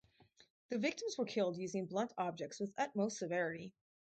The victims were killed using blunt objects with utmost severity.